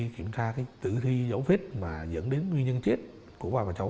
kiểm tra cái tử thi dấu vết mà dẫn đến nguyên nhân chết của ba và cháu